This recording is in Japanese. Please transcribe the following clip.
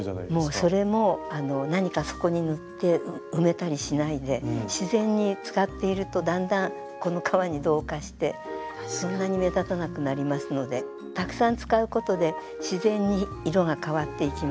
もうそれも何かそこに塗って埋めたりしないで自然に使っているとだんだんこの革に同化してそんなに目立たなくなりますのでたくさん使うことで自然に色が変わっていきますから。